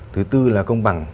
thứ tư là công bằng